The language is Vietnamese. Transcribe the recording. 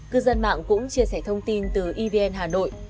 cư dân mạng cũng chia sẻ thông tin từ evn hà nội